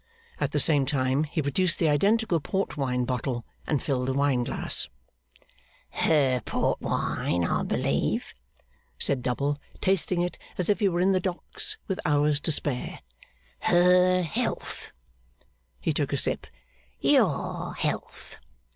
At the same time he produced the identical port wine bottle, and filled a wine glass. 'Her port wine, I believe?' said Double, tasting it as if he were in the Docks, with hours to spare. 'Her health.' He took a sip. 'Your health!